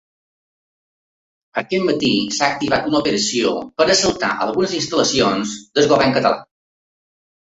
Aquest matí s’ha activat una operació per assaltar algunes instal·lacions del govern català.